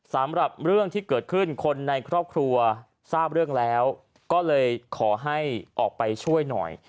สำหรับเรื่องที่เกิดขึ้นคนในครอบครัวทราบเรื่องแล้วก็เลยขอให้ออกไปช่วยหน่อย